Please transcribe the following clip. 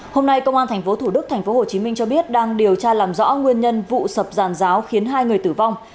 hôm nay công an tp thủ đức tp hcm cho biết đang điều tra làm rõ nguyên nhân vụ sập giàn giáo khiến hai người tử vong